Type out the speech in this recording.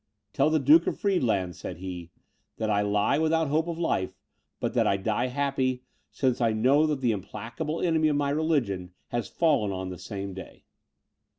"Tell the Duke of Friedland," said he, "that I lie without hope of life, but that I die happy, since I know that the implacable enemy of my religion has fallen on the same day."